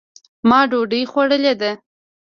ما دوډۍ خوړلې ده